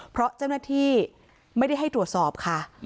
เพราะเจ้าหน้าที่ไม่ได้ให้ตรวจสอบค่ะ